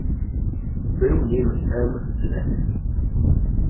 "Był nim M. Les."